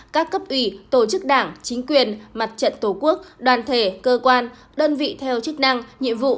các cấp ủy tổ chức đảng chính quyền mặt trận tổ quốc đoàn thể cơ quan đơn vị theo chức năng nhiệm vụ